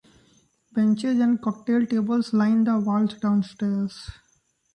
Benches and cocktail tables line the walls downstairs.